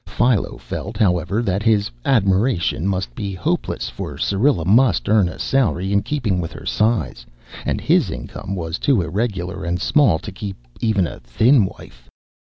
Philo felt, however, that his admiration must be hopeless, for Syrilla must earn a salary in keeping with her size, and his income was too irregular and small to keep even a thin wife.